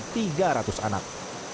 sekitar tiga ratus anak